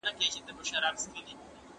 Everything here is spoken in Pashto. د نجونو ښوونه د باورمنې همکارۍ بنسټ ږدي.